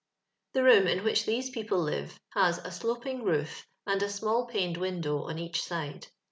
The room in which these people live has a sloping roof, and a small paned window on each side.